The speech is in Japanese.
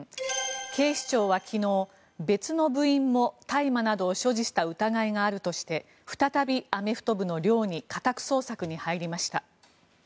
警視庁は昨日、別の部員も大麻などを所持した疑いがあるとして再びアメフト部の寮に家宅捜索に入りました。